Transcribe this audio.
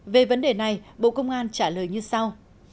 về vấn đề này bộ công an trả lời như sau